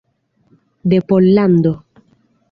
De Pollando.